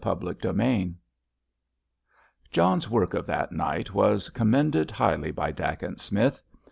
CHAPTER XXV John's work of that night was commended highly by Dacent Smith.